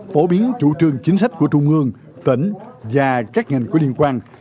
phổ biến chủ trương chính sách của trung ương tỉnh và các ngành có liên quan